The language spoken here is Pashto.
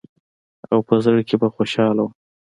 او په زړه کښې به خوشاله وم.